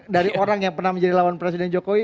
dari orang yang pernah menjadi lawan presiden jokowi